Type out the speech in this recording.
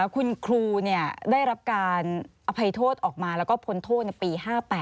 คุณครูได้รับการอภัยโทษออกมาแล้วก็พ้นโทษในปี๕๘